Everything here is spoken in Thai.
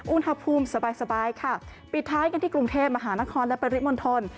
อุณหภูมิสบายสบายค่ะปิดท้ายกันที่กรุงเทพมหานครและปริมณฑล